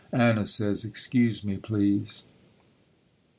Anna says, "Excuse me, please."